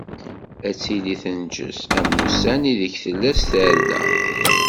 Ad tili tenǧes am wussan ideg tella s tarda.